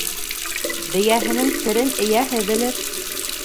Бейәһенең серен эйәһе белер.